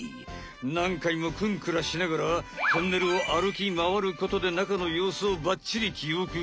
なんかいもクンクラしながらトンネルを歩きまわることで中のようすをバッチリ記憶。